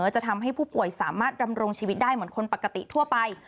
จะทำให้ผู้ป่วยสามารถดำรงชีวิตได้เหมือนคนปกติทั่วไป